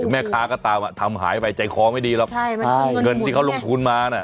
แม่ค้าก็ตามอ่ะทำหายไปใจของไม่ดีหรอกใช่มันคือเงินทุนเนี่ยเงินที่เขาลงทุนมาน่ะ